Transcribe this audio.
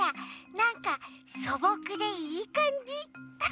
なんかそぼくでいいかんじ。